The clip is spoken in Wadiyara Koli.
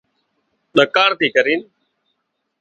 ۮڪاۯ ٿي ڪرينَ